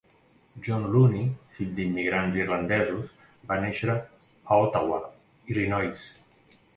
John Looney, fill d'immigrants irlandesos, va néixer a Ottawa, Illinois.